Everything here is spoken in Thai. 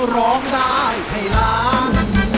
ร้องได้ให้ล้าน